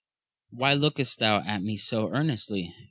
Why lookest thou at me so earnestly